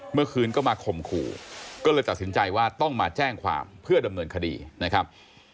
เมื่อคืนก็มาข่มขู่ก็เลยตัดสินใจว่าต้องมาแจ้งความเพื่อดำเนินคดีนะครับ